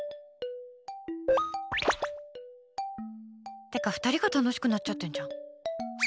ってか、２人が楽しくなっちゃってんじゃん。